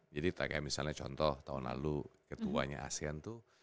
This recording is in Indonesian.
jadi misalnya contoh tahun lalu ketuanya asean tuh